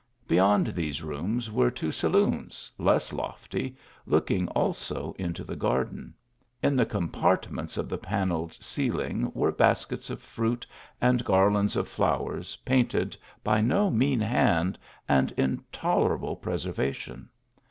Beyond these rooms were two saloons, less lofty, looking also into the garden. In the com partments of the panelled ceiling were baskets of fruit and garlands of flowers, painted by no mean hand, and in tolerable preservation.